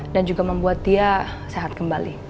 dan juga membuat dia sehat kembali